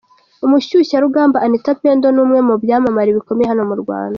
Umushyushyarugamba Anita Pendo ni umwe mu byamamare bikomeye hano mu Rwanda.